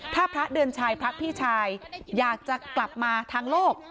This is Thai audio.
ถ้าพระเดือนชัยพระพี่ชายอยากจะกลับมาทางโลก